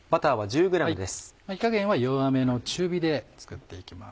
火加減は弱めの中火で作って行きます。